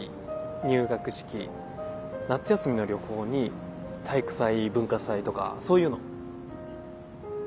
入学式夏休みの旅行に体育祭文化祭とかそういうの。